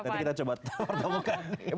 tadi kita coba pertemukan